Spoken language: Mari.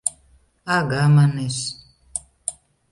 — Ага, манеш.